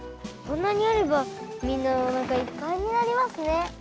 こんなにあればみんなおなかいっぱいになりますね！